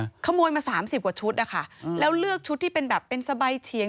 ใช่ขโมยมา๓๐กว่าชุดเนอร์ค่ะแล้วเลือกชุดที่เป็นแบบเป็นสไบเทียง